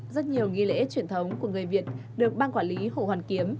rất nhiều nghi lễ truyền thống của người việt được ban quản lý hồ hoàn kiếm